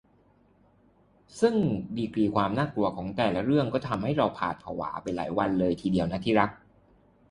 ซึ่งดีกรีความน่ากลัวของแต่ละเรื่องก็ทำให้เราหวาดผวาไปหลายวันเลยทีเดียว